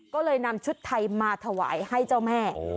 ก็เลยนำชุดไทยมาถวายให้เจ้าแม่